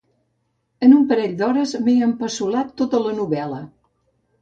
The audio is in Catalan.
En un parell d'hores m'he empassolat tota la novel·la.